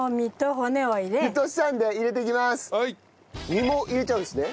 身も入れちゃうんですね。